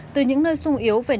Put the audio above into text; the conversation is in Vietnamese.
từ những nơi sung yếu